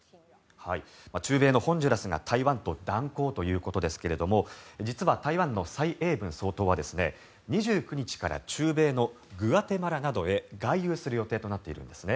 中米のホンジュラスが台湾と断交ということですが実は、台湾の蔡英文総統は２９日から中米のグアテマラなどへ外遊する予定となっているんです。